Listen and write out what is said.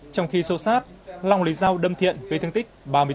trong khi sâu sát long lấy dao đâm thiện gây thương tích ba mươi chín